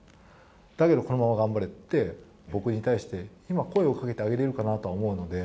だけど、このまま頑張れって僕に対して、今、声をかけてあげれるかなとは思うので。